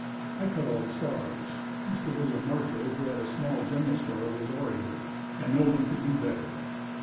I cut all the stars. Mr. William Marshall who had a small general store was orator and no one could do better.